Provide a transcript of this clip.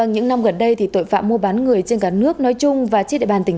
những năm gần đây tội phạm mua bán người trên cả nước nói chung và trên địa bàn tỉnh